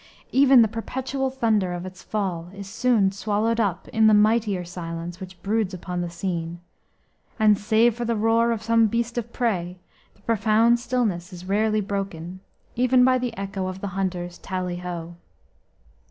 Even the perpetual thunder of its fall is soon swallowed up in the mightier silence which broods upon the scene, and, save for the roar of some beast of prey, the profound stillness is rarely broken, even by the echo of the hunters' "tally ho."